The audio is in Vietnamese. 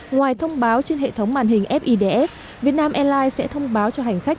ngoài thông báo trên hệ thống màn hình fids việt nam airlines sẽ thông báo cho hành khách